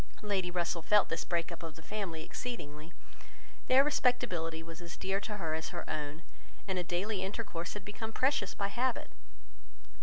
Lady Russell felt this break up of the family exceedingly. Their respectability was as dear to her as her own, and a daily intercourse had become precious by habit.